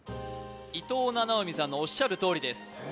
伊藤七海さんのおっしゃるとおりです